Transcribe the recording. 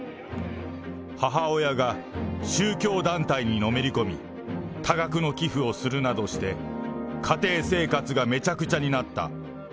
母親が宗教団体にのめり込み、多額の寄付をするなどして、家庭生活がめちゃくちゃになった。